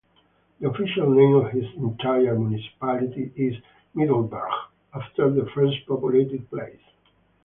The official name of this entire municipality is Mittelberg after the first populated place.